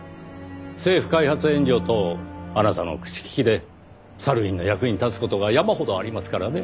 政府開発援助等あなたの口利きでサルウィンの役に立つ事が山ほどありますからね。